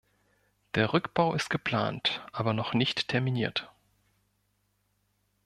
Der Rückbau ist geplant, aber noch nicht terminiert.